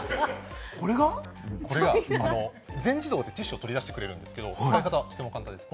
これが全自動でティッシュを取り出してくれるんですけれども、使い方は簡単です。